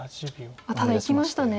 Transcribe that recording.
ただいきましたね。